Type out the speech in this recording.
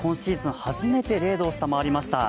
初めて０度を下回りました。